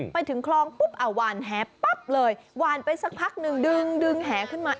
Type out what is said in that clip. ไปถึงคลองปุ๊บเอาหวานแหปั๊บเลยหวานไปสักพักหนึ่งดึงดึงแหขึ้นมา